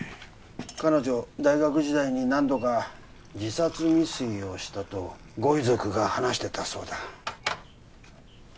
彼女大学時代に何度か自殺未遂をしたとご遺族が話してたそうだ